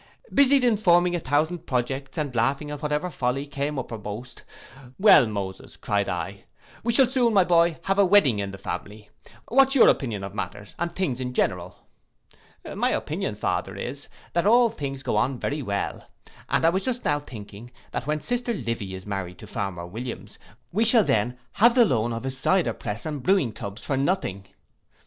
Busied in forming a thousand projects, and laughing at whatever folly came uppermost, 'Well, Moses,' cried I, 'we shall soon, my boy, have a wedding in the family, what is your opinion of matters and things in general?'—'My opinion, father, is, that all things go on very well; and I was just now thinking, that when sister Livy is married to farmer Williams, we shall then have the loan of his cyder press and brewing tubs for nothing.